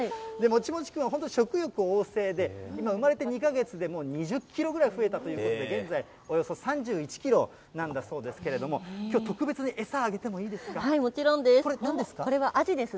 もちもちくんは、本当に食欲旺盛で、今、生まれて２か月でもう２０キロぐらい増えたということで、現在、およそ３１キロなんだそうですけれども、きょう、特別に餌あげてもちろんです。